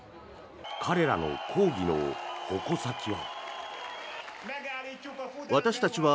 彼らの抗議の矛先は。